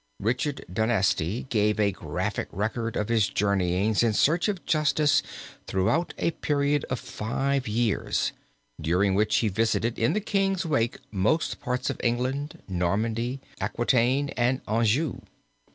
Richard D'Anesty gives a graphic record of his journeyings in search of justice throughout a period of five years, during which he visited in the king's wake most parts of England, Normandy, Aquitaine, and Anjou.